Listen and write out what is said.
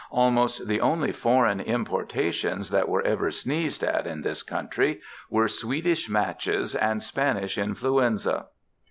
Almost the only foreign importations that were ever sneezed at in this country were Swedish matches and Spanish influenza.